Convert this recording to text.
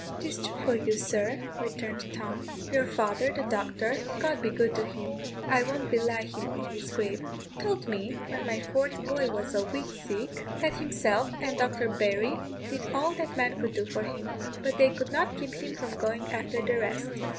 "'Tis true for you, sir," returned Tom; "your father, the doctor (God be good to him, I won't belie him in his grave), told me, when my fourth boy was a week sick, that himself and Dr. Barry did all that man could do for him; but they could not keep him from going after the rest.